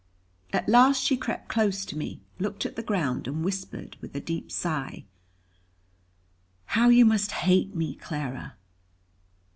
At last, she crept close to me, looked at the ground, and whispered with a deep sigh: "How you must hate me, Clara."